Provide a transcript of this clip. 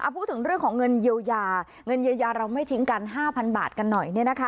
พูดถึงเรื่องของเงินเยียวยาเงินเยียวยาเราไม่ทิ้งกัน๕๐๐บาทกันหน่อย